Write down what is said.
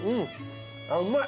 うまい。